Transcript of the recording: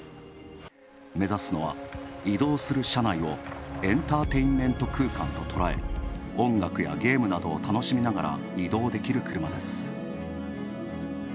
目指すのは移動する車内をエンターテインメント空間ととらえ音楽やゲームなどを楽しみながら移動できる車です。